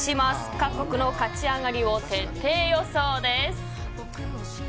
各国の勝ち上がりを徹底予想です。